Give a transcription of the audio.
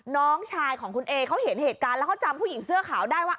น้องชายของคุณเอเขาเห็นเหตุการณ์แล้วเขาจำผู้หญิงเสื้อขาวได้ว่า